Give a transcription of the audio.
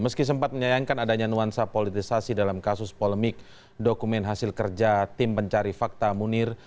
meski sempat menyayangkan adanya nuansa politisasi dalam kasus polemik dokumen hasil kerja tim pencari fakta munir